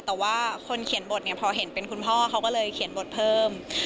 แต่ว่าคนเขียนบทเนี่ยพอเห็นเป็นคุณพ่อเขาก็เลยเขียนบทเพิ่ม